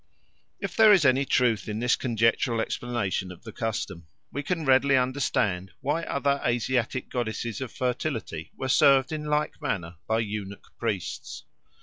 If there is any truth in this conjectural explanation of the custom, we can readily understand why other Asiatic goddesses of fertility were served in like manner by eunuch priests.